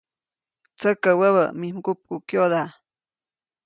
Tsäkä wäbä mij mgupkukyoda.